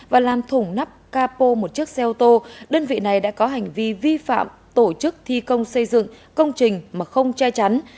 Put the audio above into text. và làm thủng nắp capo một chiếc xe ô tô đơn vị này đã có hành vi vi phạm tổ chức thi công xây dựng công trình mà không che chắn